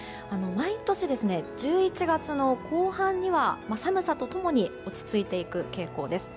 毎年、１１月の後半には寒さと共に落ち着いていく傾向です。